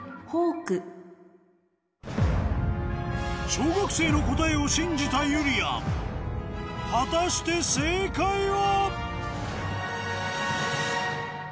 小学生の答えを信じたゆりやん果たして正解は？